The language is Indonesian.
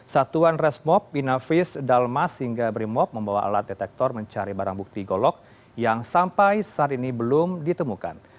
satuan resmob inavis dalmas hingga brimob membawa alat detektor mencari barang bukti golok yang sampai saat ini belum ditemukan